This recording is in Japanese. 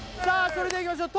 それではいきましょう